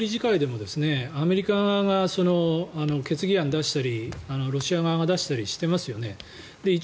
安全保障理事会でもアメリカが決議案を出したりロシア側が出したりしてますよね